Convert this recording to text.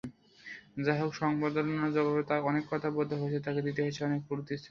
যাহোক, সংবর্ধনার জবাবে অনেক কথা বলতে হয়েছে তাঁকে, দিতে হয়েছে অনেক প্রতিশ্রুতি।